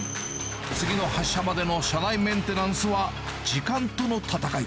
次の発車までの車内メンテナンスは時間との闘い。